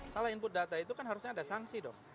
salah input data itu kan harusnya ada sanksi dong